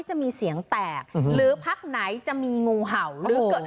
จะมีเสียงแตกหรือพักไหนจะมีงูเห่าหรือเกิด